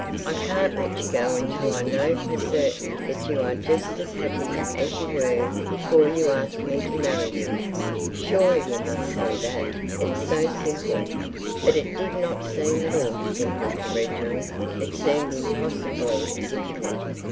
I can't let you go until I know for certain that you are just as happy as you were before you asked me to marry you. Surely you must see that, it's so simple." But it did not seem at all simple to Reginald. It seemed impossibly difficult.